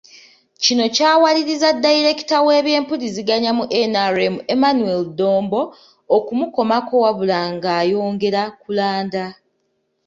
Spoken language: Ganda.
Kino kyawalirizza Dayireekita w’ebyempuliziganya mu NRM Emmanuel Dombo, okumukomako wabula ng'ayongera kulanda.